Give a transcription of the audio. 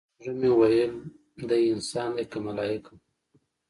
زړه مې ويل دى انسان دى كه ملايك؟